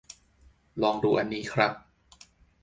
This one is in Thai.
ลองดูอันนี้ครับ